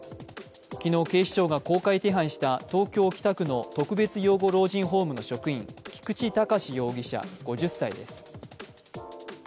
昨日、警視庁が公開手配した東京・北区の特別養護老人ホームの職員菊池隆容疑者５０歳です。